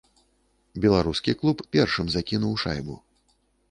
Беларускі клуб першым закінуў шайбу.